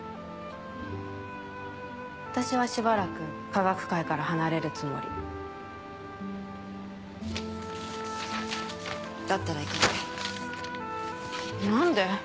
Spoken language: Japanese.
私はしばらく科学界から離れるつもりだったら行かない何で？